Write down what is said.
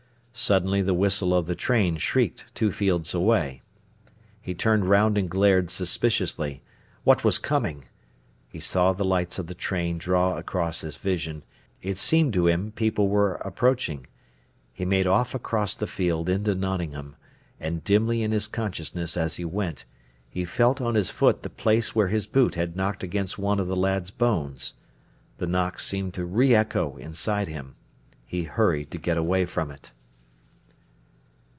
Suddenly the whistle of the train shrieked two fields away. He turned round and glared suspiciously. What was coming? He saw the lights of the train draw across his vision. It seemed to him people were approaching. He made off across the field into Nottingham, and dimly in his consciousness as he went, he felt on his foot the place where his boot had knocked against one of the lad's bones. The knock seemed to re echo inside him; he hurried to get away from it.